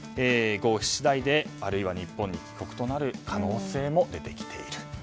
合否次第で、あるいは日本に帰国する可能性も出てきている。